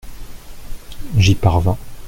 J’y parvins.